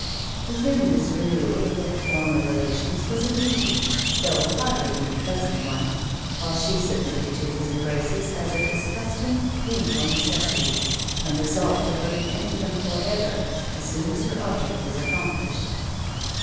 To him this renewal of their former relations was a duty, though hardly au unpleasant one, while she submitted to his embraces as a disgusting, painful necessity, and resolved to put au end to them for ever, as soon as her object was accomplished.